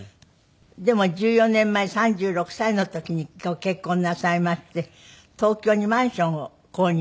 でも１４年前３６歳の時にご結婚なさいまして東京にマンションを購入。